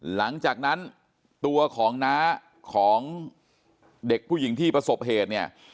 หลังจากนั้นตัวของน้าของเด็กผู้หญิงที่ประสบเหตุเนี่ย